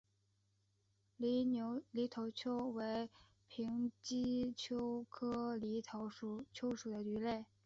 犁头鳅为平鳍鳅科犁头鳅属的鱼类。